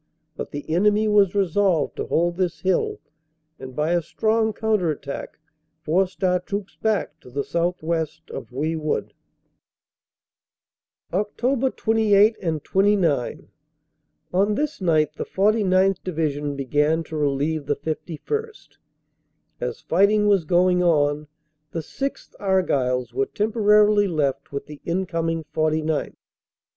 But the enemy was resolved to hold this hill, and by a strong counter attack forced our troops back to the southwest of Houy Wood. "Oct. 28 and 29 On this night the 49th. Division began to relieve the 5 1st. As fighting was going on, the 6th. Argylls were temporarily left with the incoming 49th.